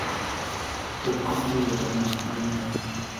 Fue conde de Doña Marina.